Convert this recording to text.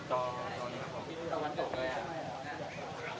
ตอนนี้ก็เป็นทิศตะวันตกตั้ง๑๗๐กิโลกรัม